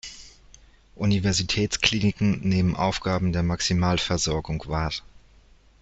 Universitätskliniken nehmen Aufgaben der Maximalversorgung wahr.